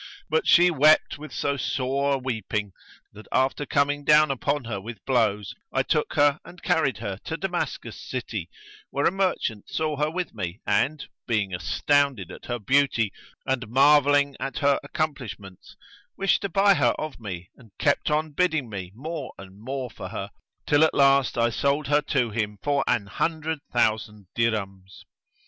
But she wept with so sore a weeping that after coming down upon her with blows, I took her and carried her to Damascus city where a merchant saw her with me and, being astounded at her beauty and marvelling at her accomplishments, wished to buy her of me and kept on bidding me more and more for her, till at last I sold her to him for an hundred thousand dirhams.